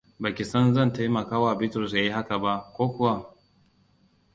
Ba ki san zan taimkawa Bitrus ya yi haka ba, ko kuwa?